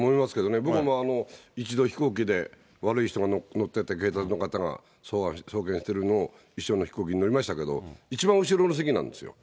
僕も一度飛行機で、悪い人が乗ってて、警察の方が送検しているのを一緒の飛行機に乗りましたけど、一番後ろの席なんですよ。